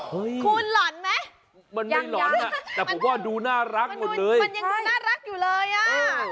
เฮ้ยยังยังมันไม่หลอนนะแต่ผมว่าดูน่ารักหมดเลยมันยังดูน่ารักอยู่เลยอะ